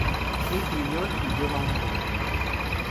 Es gruñón y lleva un bombín.